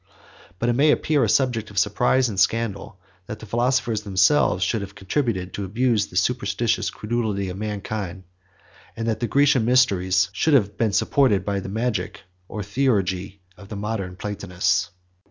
But it may appear a subject of surprise and scandal, that the philosophers themselves should have contributed to abuse the superstitious credulity of mankind, 22 and that the Grecian mysteries should have been supported by the magic or theurgy of the modern Platonists.